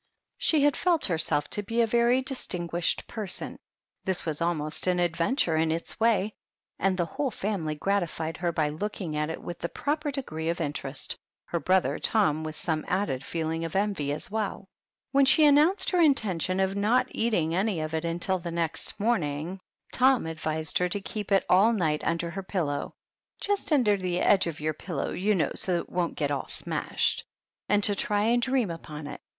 She felt herself to be a very distinguished person ; this was almost an adventure in its way, and the whole family gratified her by looking at it with the proper degree of interest, her brother Tom with some added feeling of envy as well. When she announced her intention of not eat ing any of it until the next morning, Tom ad PEGGY THE PIG. 17 vised her to keep it all night under her pillow —" Just under the edge of your pillow, you know, so that it won't get all smashed" — and to try and dream upon it.